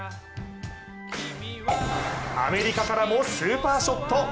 アメリカからもスーパーショット。